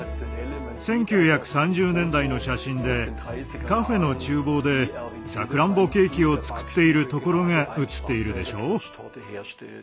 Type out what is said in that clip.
１９３０年代の写真でカフェの厨房でさくらんぼケーキを作っているところが写っているでしょう。